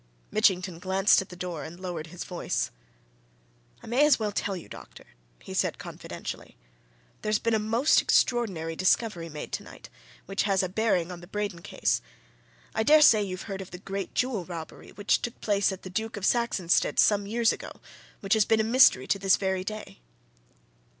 Mitchington glanced at the door and lowered his voice. "I may as well tell you, doctor," he said confidentially, "there's been a most extraordinary discovery made tonight, which has a bearing on the Braden case. I dare say you've heard of the great jewel robbery which took place at the Duke of Saxonsteade's some years ago, which has been a mystery to this very day?"